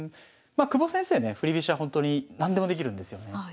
まあ久保先生ね振り飛車ほんとに何でもできるんですよね。